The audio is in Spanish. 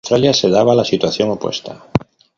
En Australia se daba la situación opuesta.